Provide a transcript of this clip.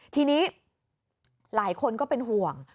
ทีนี้หลายคนก็เป็นห่วง